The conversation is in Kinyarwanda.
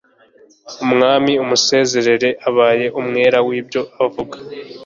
umwami amusezerera abaye umwere w'ibyo aregwa